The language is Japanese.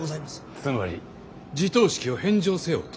つまり地頭職を返上せよと。